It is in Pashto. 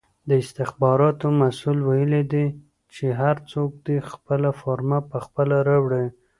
د استخباراتو مسئول ویلې دي چې هر څوک دې خپله فرمه پخپله راوړي!